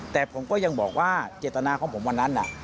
แต่ผมก็ยังบอกว่าเจตนาของผมวันนั้น